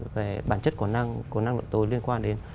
về bản chất của năng lượng tối liên quan đến